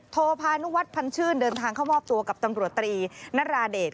พานุวัฒนพันชื่นเดินทางเข้ามอบตัวกับตำรวจตรีนราเดช